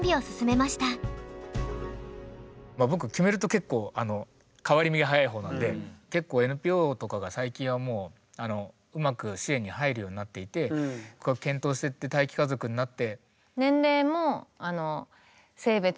まあ僕決めると結構変わり身が早い方なんで結構ＮＰＯとかが最近はもううまく支援に入るようになっていて検討してって待機家族になって。